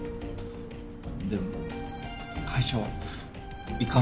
でも会社は行かないと。